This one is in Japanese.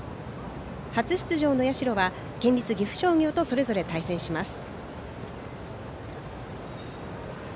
初出場の社は、県立岐阜商業とそれぞれ対戦します。